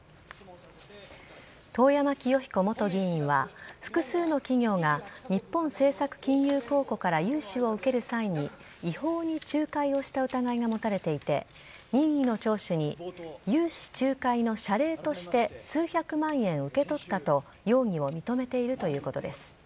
遠山清彦元議員は複数の企業が日本政策金融公庫から融資を受ける際に違法に仲介をした疑いが持たれていて任意の聴取に融資仲介の謝礼として数百万円を受け取ったと容疑を認めているということです。